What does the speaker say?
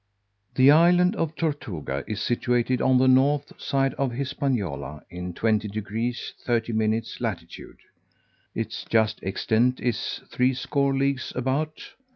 _ THE island of Tortuga is situate on the north side of Hispaniola, in 20 deg. 30 min. latitude; its just extent is threescore leagues about.